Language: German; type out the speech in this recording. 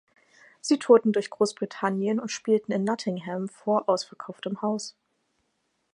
Sie tourten durch Großbritannien und spielten in Nottingham vor ausverkauftem Haus.